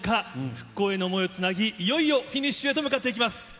復興への想いをつなぎ、いよいよフィニッシュへと向かっています。